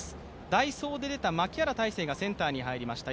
代走で出た牧原大成がセンターに入りました。